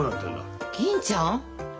銀ちゃん！？